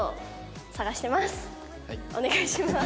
お願いします。